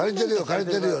借りてるよ